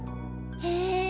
へえ。